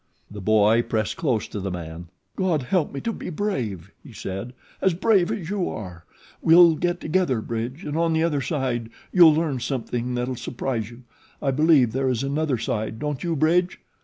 The boy pressed close to the man. "God help me to be brave," he said, "as brave as you are. We'll go together, Bridge, and on the other side you'll learn something that'll surprise you. I believe there is 'another side,' don't you, Bridge?"